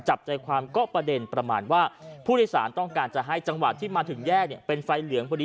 จับใจความก็ประเด็นประมาณว่าผู้โดยสารต้องการจะให้จังหวะที่มาถึงแยกเป็นไฟเหลืองพอดี